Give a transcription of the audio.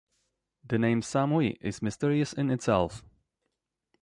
The name "samui" is mysterious in itself.